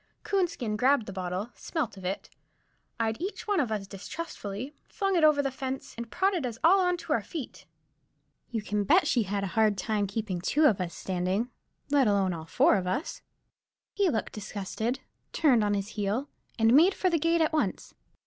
Coonskin grabbed the bottle, smelt of it, eyed each one of us distrustfully, flung it over the fence, and prodded us all on to our feet. You can bet he had a hard job to keep two of us standing, let alone all four of us. He looked disgusted, turned on his heel, and made for the gate at once.